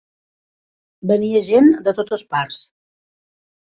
Venia gent de totes parts.